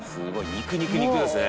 肉肉肉ですね」